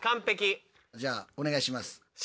じゃあお願いします。